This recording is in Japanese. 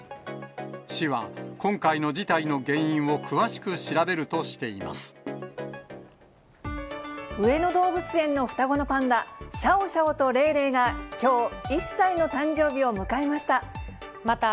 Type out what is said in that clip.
市は、今回の事態の原因を詳しく上野動物園の双子のパンダ、シャオシャオとレイレイがきょう、１歳の誕生日を迎えました。